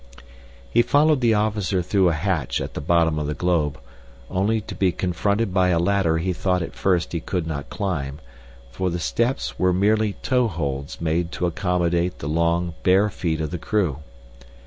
He followed the officer through a hatch at the bottom of the globe, only to be confronted by a ladder he thought at first he could not climb, for the steps were merely toe holds made to accommodate the long, bare feet of the crew.